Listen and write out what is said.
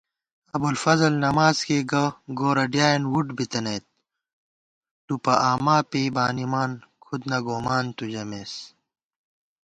ابُوالفضل نماڅ کېئی گہ گورہ ڈیائېن وُٹ بِتَنَئیت * ٹُوپہ آما پېئی بانِمان کھُد نہ گومان تُو ژَمېس